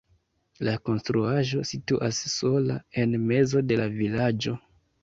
La konstruaĵo situas sola en mezo de la vilaĝo.